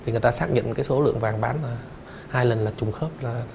người ta xác nhận số lượng vàng bán hai lần là trùng khớp